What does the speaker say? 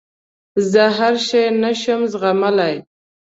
زه هر شی نه شم زغملای.